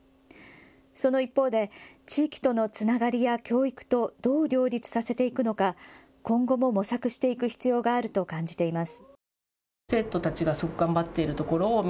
その一方で地域とのつながりや教育とどう両立させていくのか、今後も模索していく必要があると感じています。